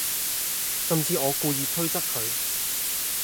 甚至我故意推側佢